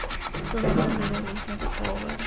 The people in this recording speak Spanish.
Su nombre alude a la isla de Cabo Verde.